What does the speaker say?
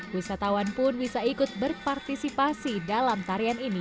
wisatawan pun bisa ikut berpartisipasi dalam tarian ini